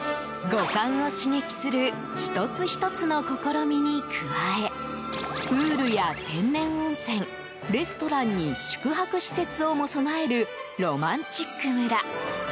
五感を刺激する１つ１つの試みに加えプールや天然温泉レストランに宿泊施設をも備えるろまんちっく村。